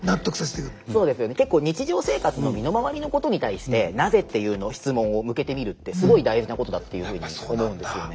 そうですよね結構日常生活の身の回りのことに対して「なぜ？」っていう質問を向けてみるってすごい大事なことだっていうふうに思うんですよね。